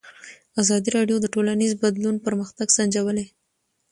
ازادي راډیو د ټولنیز بدلون پرمختګ سنجولی.